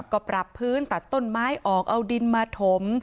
ก็ปรับพื้นตัดต้นไม้ออกเอาดินมาถม